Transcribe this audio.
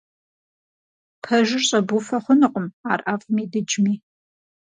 Пэжыр щӏэбуфэ хъунукъым, ар ӏэфӏми дыджми.